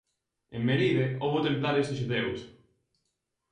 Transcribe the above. En Melide houbo templarios e xudeus.